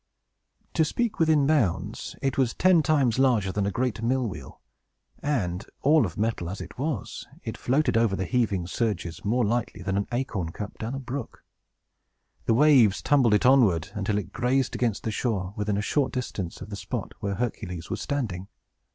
To speak within bounds, it was ten times larger than a great mill wheel; and, all of metal as it was, it floated over the heaving surges more lightly than an acorn cup adown the brook. The waves tumbled it onward, until it grazed against the shore, within a short distance of the spot where Hercules was standing.